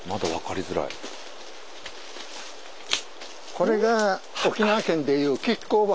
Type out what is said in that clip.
これが沖縄県でいう亀甲墓。